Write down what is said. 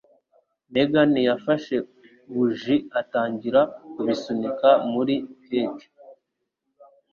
Megan yafashe buji atangira kubisunika muri keke.